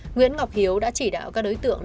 nguyễn ngọc hiếu đã chỉ đạo các đối tượng